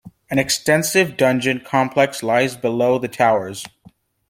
An extensive dungeon complex lies below the towers.